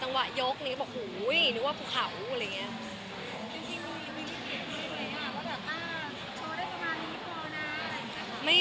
จะบอกโห้ยนึกว่าผู้เข่า